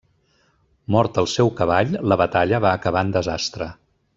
Mort el seu cavall la batalla va acabar en desastre.